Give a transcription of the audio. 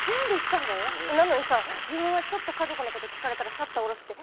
なのにさ自分はちょっと家族の事聞かれたらシャッター下ろすって。